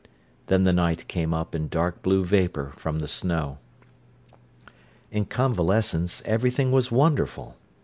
Then the night came up in dark blue vapour from the snow. In convalescence everything was wonderful.